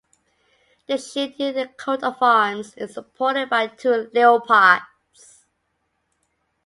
The shield in the coat of arms is supported by two leopards.